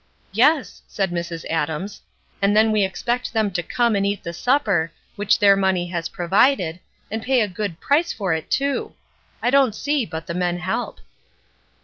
"Yes," said Mrs. Adams; "and then we ex pect them to come and eat the supper, w^hich their money has provided, and pay a good price for it, too. I don't see but the men help."